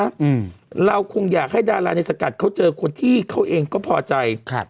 อืมเราคงอยากให้ดาราในสกัดเขาเจอคนที่เขาเองก็พอใจครับ